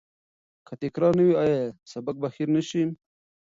که تکرار نه وي، آیا سبق به هیر نه سی؟